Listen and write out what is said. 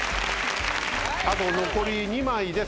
あと残り２枚です。